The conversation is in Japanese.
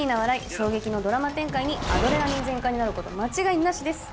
衝撃のドラマ展開にアドレナリン全開になること間違いなしです。